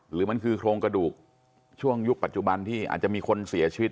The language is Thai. หรือมันคือโครงกระดูกช่วงยุคปัจจุบันที่อาจจะมีคนเสียชีวิต